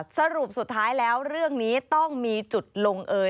สรุปสุดท้ายแล้วเรื่องนี้ต้องมีจุดลงเอย